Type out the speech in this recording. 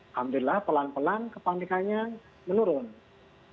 alhamdulillah pelan pelan kepanikannya menurun